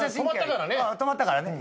止まったからね。